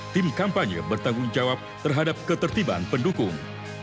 tim kampanye bertanggung jawab terhadap ketertiban pendukung